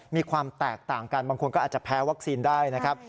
มีความแตกต่างกันบางคนก็อาจจะแพ้วัคซีนได้นะครับ